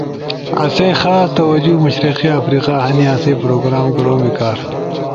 آسئی خاص توجہ مشرقی افریقہ ہنی، آسئی پروگرام کورومی کار